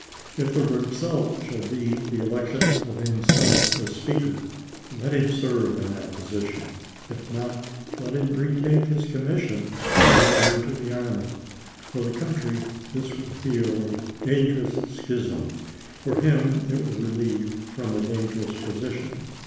If the result shall be the election of himself as Speaker, let him serve in that position ; if not, let him retake his commission and return to the army. For the country this will heal a dangerous schism ; for him it will relieve from a dangerous position.